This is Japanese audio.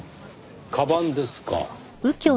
かばんですか。